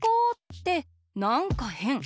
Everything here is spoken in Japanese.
ってなんかへん。